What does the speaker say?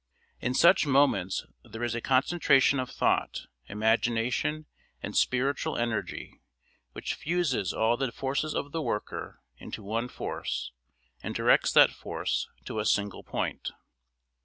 In such moments there is a concentration of thought, imagination, and spiritual energy which fuses all the forces of the worker into one force and directs that force to a single point.